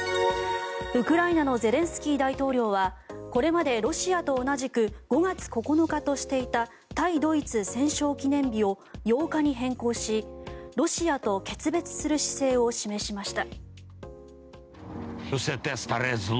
ウクライナのゼレンスキー大統領はこれまでロシアと同じく５月９日としていた対ドイツ戦勝記念日を８日に変更しロシアと決別する姿勢を示しました。